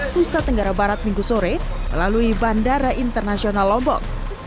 nusa tenggara barat minggu sore melalui bandara internasional lombok